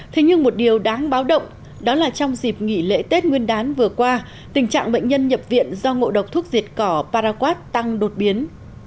thế nhưng một điều đáng báo động đó là trong dịp nghỉ lễ tết nguyên đán vừa qua tình trạng bệnh nhân nhập viện do ngộ độc thuốc diệt cỏ paraquad tăng đột biến